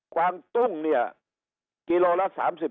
วางตุ้งเนี่ยกิโลละ๓๐